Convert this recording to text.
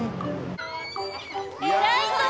偉いぞ！